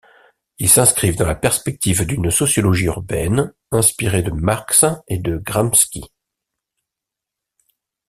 Ils s’inscrivent dans la perspective d’une sociologie urbaine inspirée de Marx et de Gramsci.